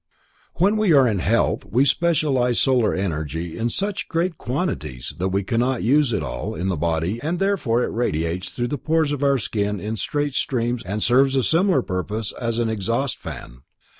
When we are in health, we specialize solar energy in such great quantities that we cannot use it all in the body and therefore it radiates through the pores of our skin in straight streams and serves a similar purpose as an exhaust fan.